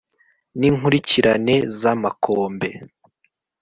n’inkurikirane za makombe